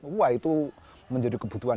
wah itu menjadi kebutuhan